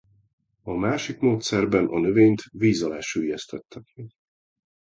A másik módszerben a növényt víz alá süllyesztette.